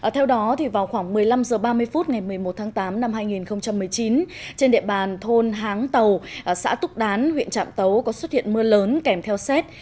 theo đó vào khoảng một mươi năm h ba mươi phút ngày một mươi một tháng tám năm hai nghìn một mươi chín trên địa bàn thôn háng tàu xã túc đán huyện trạm tấu có xuất hiện mưa lớn kèm theo xét